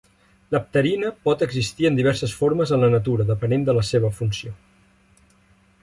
La pterina pot existir en diverses formes en la natura depenent de la seva funció.